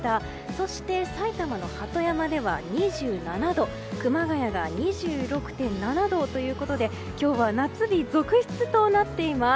そして埼玉の鳩山では２７度熊谷が２６．７度ということで今日は夏日続出となっています。